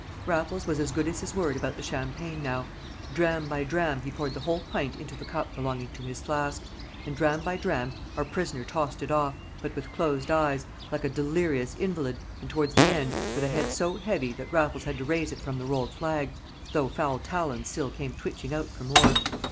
Raffles was as good as his word about the champagne now: dram by dram he poured the whole pint into the cup belonging to his flask, and dram by dram our prisoner tossed it off, but with closed eyes, like a delirious invalid, and towards the end, with a head so heavy that Raffles had to raise it from the rolled flag, though foul talons still came twitching out for more.